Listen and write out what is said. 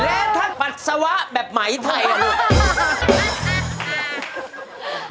แล้วถ้าปัสสาวะแบบไหมไทย